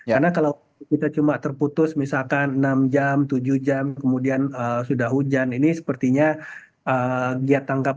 karena kalau kita cuma terputus misalkan enam jam tujuh jam kemudian sudah hujan ini sepertinya